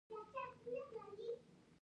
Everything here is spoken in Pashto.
با سواده ښځه دټولنې څراغ ده